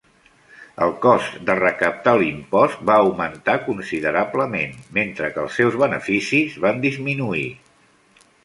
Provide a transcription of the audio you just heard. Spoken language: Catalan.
El cost de recaptar l'impost va augmentar considerablement, mentre que els seus beneficis van disminuir.